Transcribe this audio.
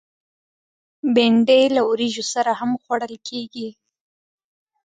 بېنډۍ له وریژو سره هم خوړل کېږي